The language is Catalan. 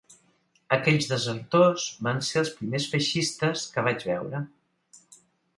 Aquells desertors van ser els primers feixistes que vaig veure.